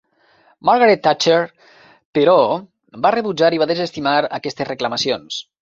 Margaret Thatcher, però, va rebutjar i va desestimar aquestes reclamacions..